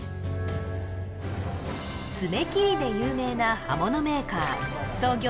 爪切りで有名な刃物メーカー創業